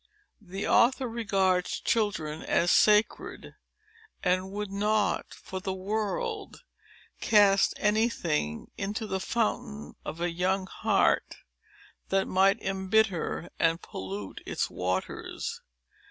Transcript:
The author regards children as sacred, and would not, for the world, cast any thing into the fountain of a young heart, that might embitter and pollute its waters.